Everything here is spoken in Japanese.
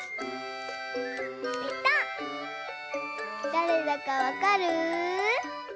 だれだかわかる？